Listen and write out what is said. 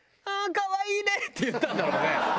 可愛いね！」って言ったんだろうね。